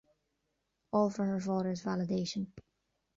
All for her father's validation.